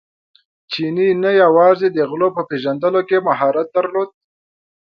چیني نه یوازې د غلو په پېژندلو کې مهارت درلود.